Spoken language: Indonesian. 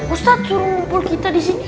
ustaz suruh ngumpul kita disini ngapain